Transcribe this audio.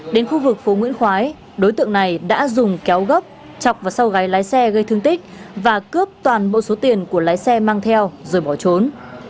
đến khu vực phố nguyễn khói đối tượng này đã dùng kéo gốc chọc vào sau gái lái xe gây thương tích và cướp toàn bộ số tiền của lái xe mang theo rồi bỏ trốn